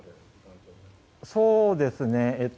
そうですね。